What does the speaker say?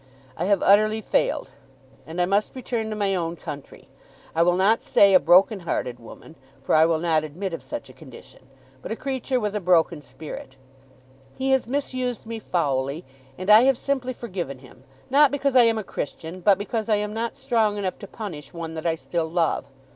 I have utterly failed, and I must return to my own country, I will not say a broken hearted woman, for I will not admit of such a condition, but a creature with a broken spirit. He has misused me foully, and I have simply forgiven him; not because I am a Christian, but because I am not strong enough to punish one that I still love.